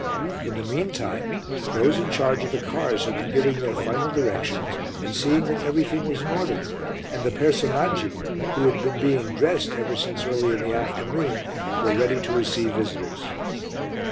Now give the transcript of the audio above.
In the meantime those in charge of the cars had been giving their final directions and seeing that everything was in order, and the personaggi, who had been being dressed ever since early in the afternoon, were ready to receive visitors.